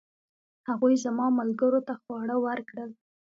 هغوی زما ملګرو ته خواړه ورکړل.